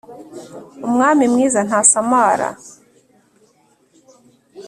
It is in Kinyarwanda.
umwari mwiza ntasamara